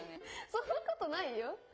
そんなことないよ！